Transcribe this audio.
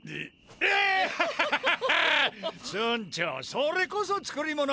それこそ作り物！